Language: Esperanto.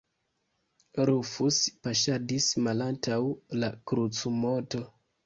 Rufus paŝadis malantaŭ la krucumoto.